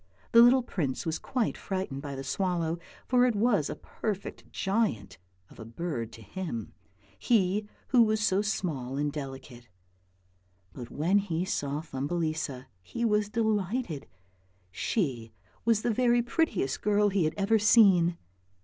The little prince was quite frightened by the swallow, for it was a perfect giant of a bird to him, he who was so small and delicate, but when he saw Thumbelisa he was delighted; she was the very prettiest girl he had ever seen.